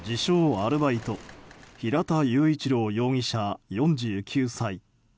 アルバイト平田雄一郎容疑者、４９歳。